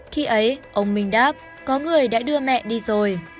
khi ấy ông minh đáp có người đã đưa mẹ đi rồi